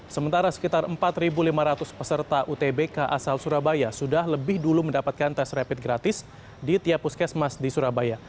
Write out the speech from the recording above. sementara sekitar empat lima ratus peserta utbk asal surabaya sudah lebih dulu mendapatkan tes rapid gratis di tiap puskesmas di surabaya